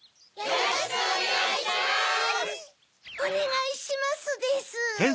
おねがいしますです。